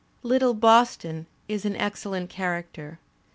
"Little Boston" is an excellent character.